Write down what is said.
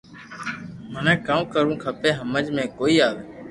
مني ڪاو ڪروُ کپئ ھمج مي ڪوئي آو